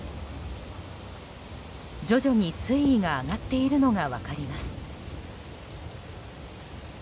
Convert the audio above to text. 徐々に水位が上がっているのが分かります。